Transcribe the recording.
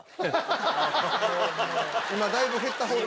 今だいぶ減った方。